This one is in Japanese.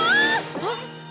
あっ！